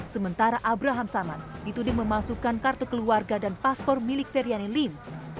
sementara abraham samad dituding memalsukan kartu keluarga dan paspor milik feryani lim